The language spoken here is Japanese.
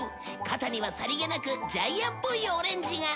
肩にはさりげなくジャイアンっぽいオレンジが。